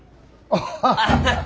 アハハ。